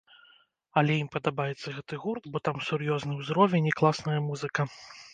Але ім падабаецца гэты гурт, бо там сур'ёзны ўзровень і класная музыка.